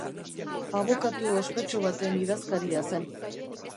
Abokatu ospetsu baten idazkaria zen.